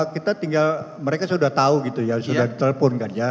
kita tinggal mereka sudah tahu gitu ya sudah ditelepon kan ya